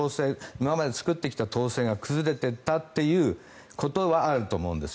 今まで作ってきた統制が崩れていったということはあると思うんです。